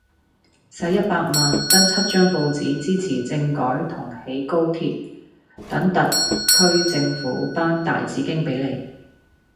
洗一百萬登七張報紙支持政改同起高鐵，等特區政府頒大紫荊比你。